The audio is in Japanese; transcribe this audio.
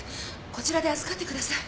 こちらで預かってください。